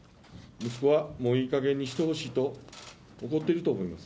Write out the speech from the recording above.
息子はもういいかげんにしてほしいと怒っていると思います。